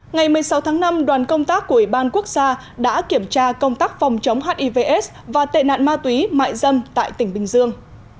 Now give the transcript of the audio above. ngày một mươi sáu tháng năm đoàn công tác của ủy ban quốc gia đã kiểm tra công tác phòng chống hiv aids và tệ nạn ma túy mại dâm tại tỉnh bình dương